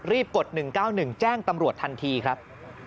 กด๑๙๑แจ้งตำรวจทันทีครับ